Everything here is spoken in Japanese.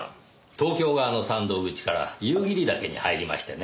東京側の山道口から夕霧岳に入りましてね